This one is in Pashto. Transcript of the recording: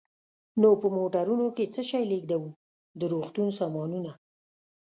نو په موټرونو کې څه شی لېږدوو؟ د روغتون سامانونه.